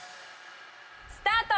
スタート！